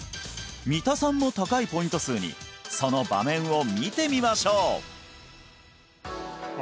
三田さんも高いポイント数にその場面を見てみましょうあ